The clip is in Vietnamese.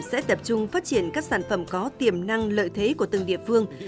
sẽ tập trung phát triển các sản phẩm có tiềm năng lợi thế của từng địa phương